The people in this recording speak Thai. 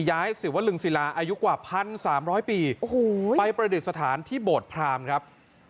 ย้ายศิวรึงศิลาอายุกว่า๑๓๐๐ปีไปประดิษฐานที่โบดพรามครับ